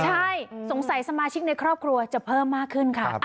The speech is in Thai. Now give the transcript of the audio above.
ใช่สงสัยสมาชิกในครอบครัวจะเพิ่มมากขึ้นค่ะ